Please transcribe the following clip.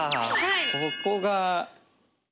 ここが。